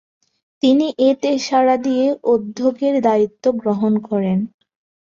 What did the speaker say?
তিনি এতে সাড়া দিয়ে অধ্যক্ষের দায়িত্ব গ্রহণ করেন।